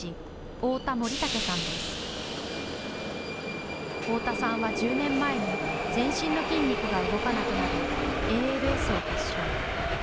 太田さんは１０年前に全身の筋肉が動かなくなるＡＬＳを発症。